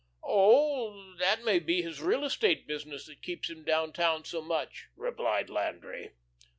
"Oh, that may be his real estate business that keeps him down town so much," replied Landry.